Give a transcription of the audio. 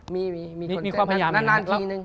มีคนเส้นมานานทีนึง